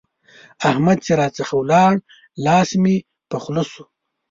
احمد چې راڅخه ولاړ؛ لاس مې په خوله شو.